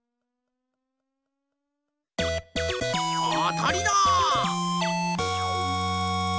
あたりだ！